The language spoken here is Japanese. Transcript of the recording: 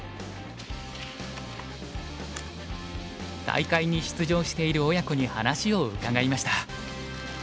大会に出場している親子に話を伺いました。